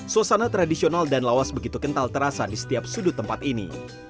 suasana tradisional dan lawas begitu kental terasa di setiap sudut tempat ini